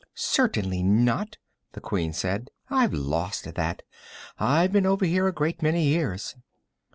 "Certainly not," the Queen said. "I've lost that; I've been over here a great many years."